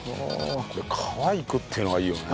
皮いくっていうのがいいよね。